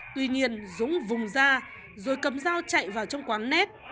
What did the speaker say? tuy nhiên dũng vùng ra rồi cầm dao chạy vào trong quán net